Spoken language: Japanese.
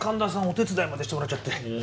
お手伝いまでしてもらっちゃって。